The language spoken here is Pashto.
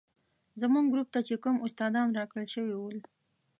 زموږ ګروپ ته چې کوم استادان راکړل شوي ول.